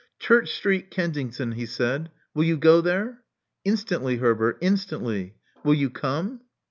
'* Church Street, Kensington/* he said. '*Will you go there?" Instantly, Herbert, instantly. Will you come?"